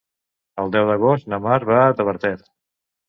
El deu d'agost na Mar va a Tavertet.